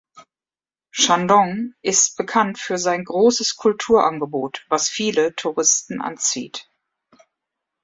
Shandong ist bekannt für sein großes Kulturangebot, was viele Touristen anzieht.